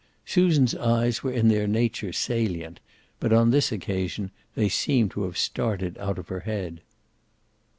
Susan's eyes were in their nature salient, but on this occasion they seemed to have started out of her head.